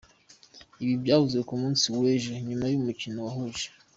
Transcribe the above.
Ibi byavuzwe ku munsi wejo nyuma yumukino wahuje.